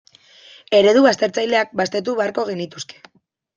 Eredu baztertzaileak baztertu beharko genituzke.